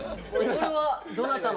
これはどなたの？